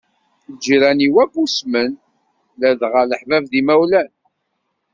Lǧiran-iw akk usmen, ladɣa leḥbab d yimawlan.